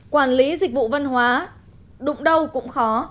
quản lý dịch vụ văn hóa đụng đâu cũng khó